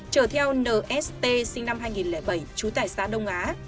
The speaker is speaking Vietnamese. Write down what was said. trở theo nst sinh năm hai nghìn bảy chú tẻ xá đông á